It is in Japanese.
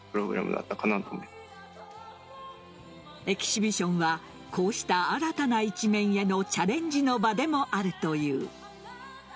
エキシビションはこうした新たな一面へのチャレンジの場でもあるという。